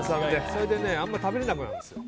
それであんまり食べられなくなるんですよ。